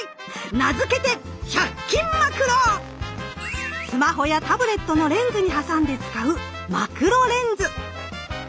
名付けてスマホやタブレットのレンズに挟んで使うマクロレンズ。